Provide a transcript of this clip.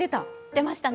出ましたね。